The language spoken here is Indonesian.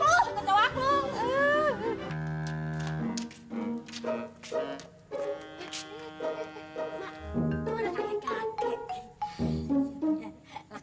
itu anak kakek kakek